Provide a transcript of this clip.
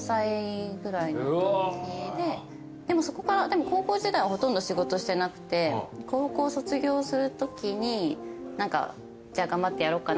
でもそこから高校時代はほとんど仕事してなくて高校卒業するときにじゃあ頑張ってやろうかなと思って。